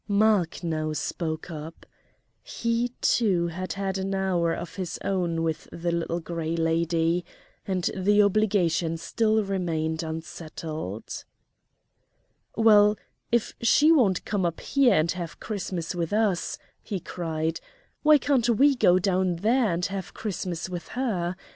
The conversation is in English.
Mark now spoke up. He, too, had had an hour of his own with the Little Gray Lady, and the obligation still remained unsettled. "Well, if she won't come up here and have Christmas with us," he cried, "why can't we go down there and have Christmas with her?